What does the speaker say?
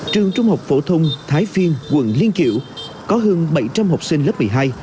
trường trung học phổ thông thái phiên quận liên kiểu có hơn bảy trăm linh học sinh lớp một mươi hai